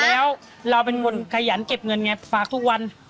แล้วเราเป็นคนขยันเก็บเงินไงฝากทุกวัน